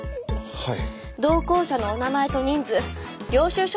はい。